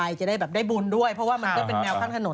จะได้แบบได้บุญด้วยเพราะว่ามันก็เป็นแนวข้างถนน